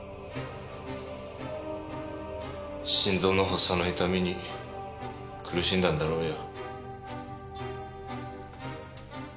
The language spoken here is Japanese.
心臓の発作の痛みに苦しんだんだろうよ。